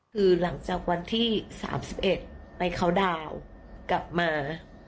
คือหลังจากวันที่๓๑ไปเคาน์ดาวน์กลับมา